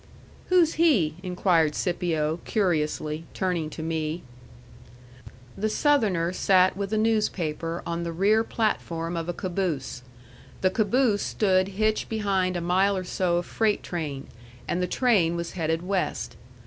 "Who's he?" inquired Scipio, curiously, turning to me. The Southerner sat with a newspaper on the rear platform of a caboose. The caboose stood hitched behind a mile or so of freight train, and the train was headed west.